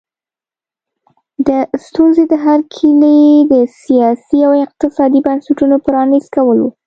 د ستونزې د حل کیلي د سیاسي او اقتصادي بنسټونو پرانیست کول وو.